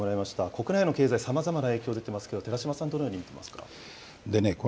国内の経済、さまざまな影響出てますけど、寺島さん、どのように見てますか。